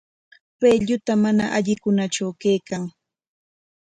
Pay lluta mana allikunatraw kaykan.